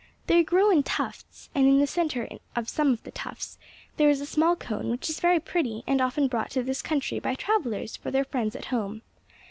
They grow in tufts, and in the centre of some of the tufts there is a small cone which is very pretty and often brought to this country by travelers for their friends at home.